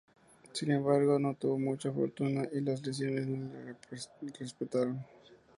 Sin embargo, no tuvo mucha fortuna y las lesiones no le respetaron.